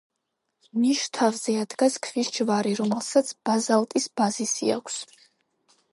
ნიშს თავზე ადგას ქვის ჯვარი, რომელსაც ბაზალტის ბაზისი აქვს.